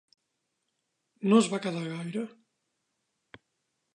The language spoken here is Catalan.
No es va quedar gaire.